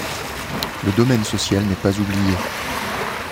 Le domaine social n'est pas oublié.